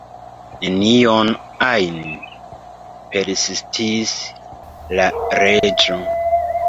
"Nenion ajn?" persistis la Reĝo.